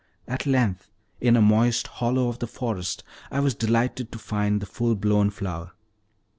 At length, in a moist hollow of the forest, I was delighted to find the full blown flower.